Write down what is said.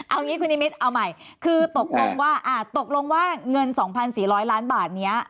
เอางี้คุณอิมิตย์เอาใหม่คือตกลงว่าเงิน๒๔๐๐ล้านบาทเนี่ย